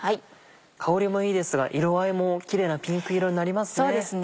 香りもいいですが色合いもキレイなピンク色になりますね。